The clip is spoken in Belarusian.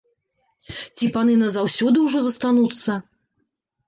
Ці паны назаўсёды ўжо застануцца?